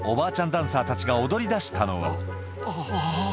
ダンサーたちが踊り出したのはあっあぁ。